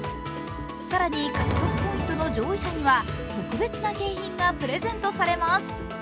更に獲得ポイントの上位者には特別な景品がプレゼントされます。